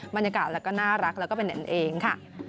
บรรยากาศและก็น่ารักและก็เป็นแห่งเองค่ะ